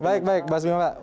baik baik mas bima